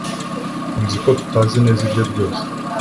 nzi ko tutazi neza ibyo byose